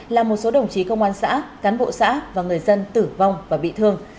làm một số đồng chí công an xã cán bộ xã và người dân tử vong và bị thương